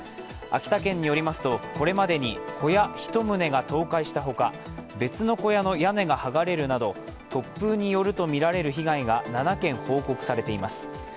秋田県によりますとこれまでに小屋１棟が倒壊したほか別の小屋の屋根が剥がれるなど、突風によるとみられる被害が７件報告されています。